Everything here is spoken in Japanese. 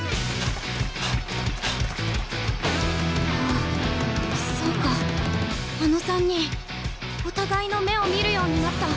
ああそうかあの３人お互いの目を見るようになった。